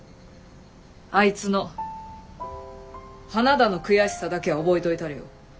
あいつの花田の悔しさだけは覚えといたれよ。